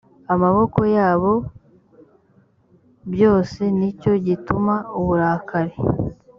amaboko yabo byose ni cyo gitumye uburakari